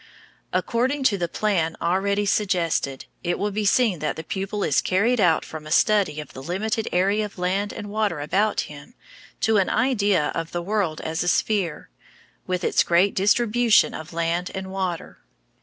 According to the plan already suggested, it will be seen that the pupil is carried out from a study of the limited area of land and water about him to an idea of the world as a sphere, with its great distribution of land and water.